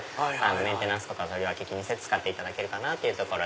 メンテナンスとか気にせず使っていただけるかなという。